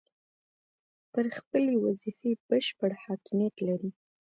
پر خپلې وظیفې بشپړ حاکمیت لري.